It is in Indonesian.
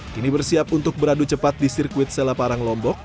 kini bersiap untuk beradu cepat di sirkuit selaparang lombok